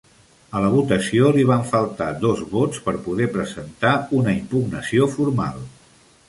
A la votació li van faltar dos vots per poder presentar una impugnació formal.